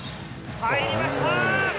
入りました！